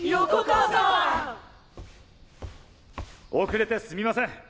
遅れてすみません。